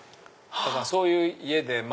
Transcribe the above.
そういう家で。